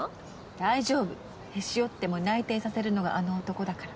大丈夫へし折っても内定させるのがあの男だから。